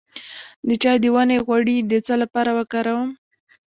د چای د ونې غوړي د څه لپاره وکاروم؟